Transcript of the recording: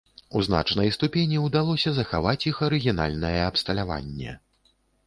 У значнай ступені ўдалося захаваць іх арыгінальнае абсталяванне.